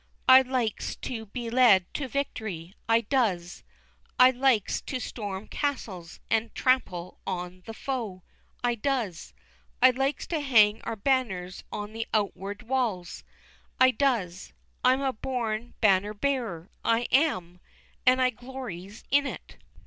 I likes to be led to victory, I does. I likes to storm castles, and trampel on the foe! I does. I likes to hang our banners on the outward walls, I does. I'm a born banner bearer, I am, and I glories in it.